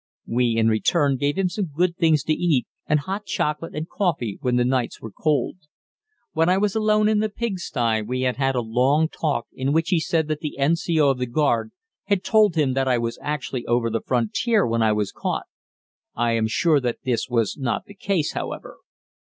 We in return gave him some good things to eat and hot chocolate and coffee when the nights were cold. When I was alone in the pigsty we had had a long talk in which he said that the N.C.O. of the guard had told him that I was actually over the frontier when I was caught. I am sure that this was not the case, however.